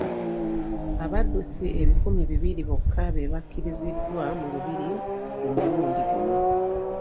Abaddusi ebikumi bibiri bokka be bakkiriziddwa mu Lubiri ku mulundi guno